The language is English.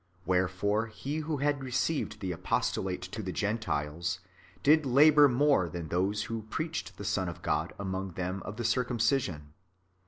Wherefore he who had received the apostolate to the Gentiles, did labour more than those who preached the Son of God among them of the circumcision.